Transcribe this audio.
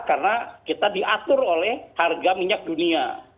karena kita diatur oleh harga minyak dunia